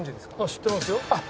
知ってますよ。